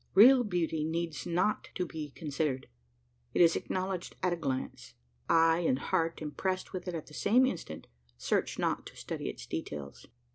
Real beauty needs not to be considered; it is acknowledged at a glance: eye and heart, impressed with it at the same instant, search not to study its details.